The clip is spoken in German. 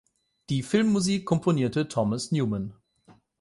Die Filmmusik komponierte Thomas Newman.